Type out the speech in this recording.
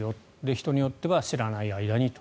人によっては知らない間にと。